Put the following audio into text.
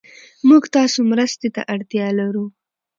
موږ تاسو مرستې ته اړتيا لرو